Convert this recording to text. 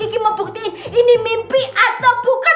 atau bukan cepetan mbak